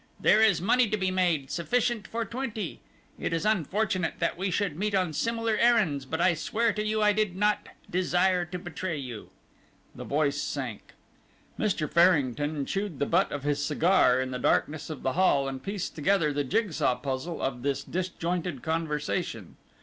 there is money to be made, sufficient for twenty. It is unfortunate that we should meet on similar errands, but I swear to you I did not desire to betray you " The voice sank. Mr. Farrington chewed the butt of his cigar in the darkness of the hall and pieced together the jigsaw puzzle of this disjointed conversation.